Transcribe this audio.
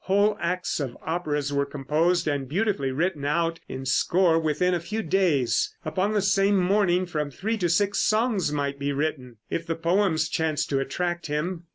Whole acts of operas were composed and beautifully written out in score within a few days. Upon the same morning from three to six songs might be written, if the poems chanced to attract him.